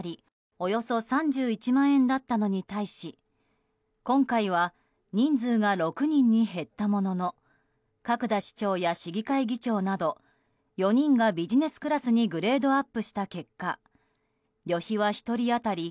およそ３１万円だったのに対し今回は人数が６人に減ったものの角田市長や市議会議長など４人が、ビジネスクラスにグレードアップした結果旅費は１人当たり